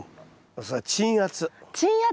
それは鎮圧。